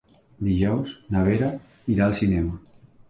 Dijous na Vera irà al cinema.